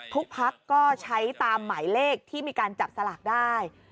พักก็ใช้ตามหมายเลขที่มีการจับสลากได้